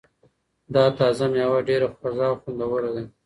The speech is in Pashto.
دا تازه مېوه ډېره خوږه او خوندوره ده.